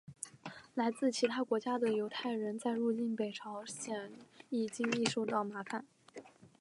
来自其他国家的犹太人在入境北朝鲜时亦经历到麻烦。